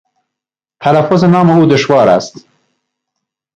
تلفظ نام او دشوار است.